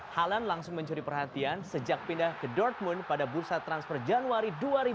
halan langsung mencuri perhatian sejak pindah ke dortmund pada bursa transfer januari dua ribu dua puluh